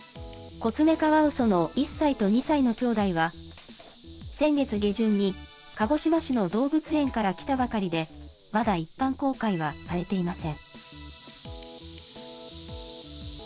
コツメカワウソの１歳と２歳の兄弟は、先月下旬に鹿児島市の動物園から来たばかりで、まだ一般公開はされていません。